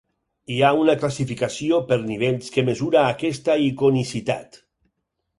Hi ha una classificació per nivells que mesura aquesta iconicitat.